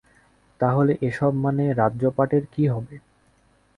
তাহলে এসব, মানে রাজ্যপাটের কী হবে?